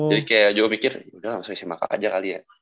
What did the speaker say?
jadi kayak juga mikir udah masuk sma k aja kali ya